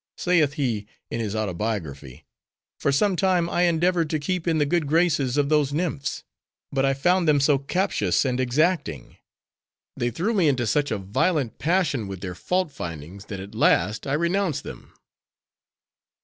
Saith he, in his autobiography: "For some time, I endeavored to keep in the good graces of those nymphs; but I found them so captious, and exacting; they threw me into such a violent passion with their fault findings; that, at last, I renounced them."